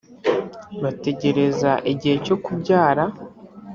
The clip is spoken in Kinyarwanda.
bategereza igihe cyo kubyara